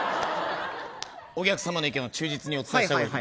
お客様の意見を忠実にお伝えしています。